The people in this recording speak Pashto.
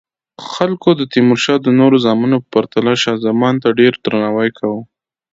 خلکو د تیمورشاه د نورو زامنو په پرتله شاه زمان ته ډیر درناوی کاوه.